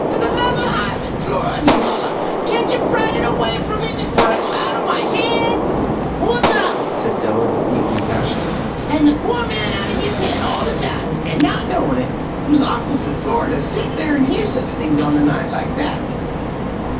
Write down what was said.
Fer the love o' hivin', Flora,' he'd holler, 'cantcha fright it away from me before I go out o' me head?'" "Poor Tom!" said Della with deep compassion. "An' the poor man out of his head all the time, an' not knowin' it! 'Twas awful fer Flora to sit there an' hear such things in the night like that!"